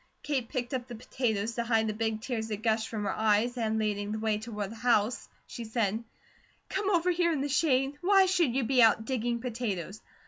Kate picked up the potatoes, to hide the big tears that gushed from her eyes, and leading the way toward the house she said: "Come over here in the shade. Why should you be out digging potatoes?"